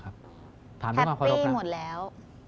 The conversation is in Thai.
แฮปปี้หมดแล้ว